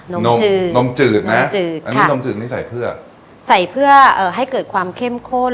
มนมจืดนมจืดนะจืดอันนี้นมจืดนี่ใส่เพื่อใส่เพื่อเอ่อให้เกิดความเข้มข้น